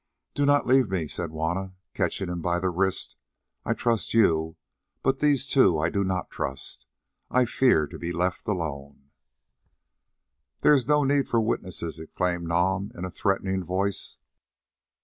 "Do not leave me," said Juanna, catching him by the wrist. "I trust you, but these two I do not trust. I fear to be left alone." "There is no need for witnesses," exclaimed Nam in a threatening voice.